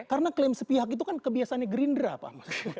karena klaim sepihak itu kan kebiasaannya gerindra pak